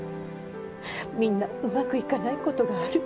みんなうまくいかないことがある。